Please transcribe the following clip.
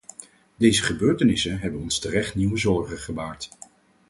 Deze gebeurtenissen hebben ons terecht nieuwe zorgen gebaard.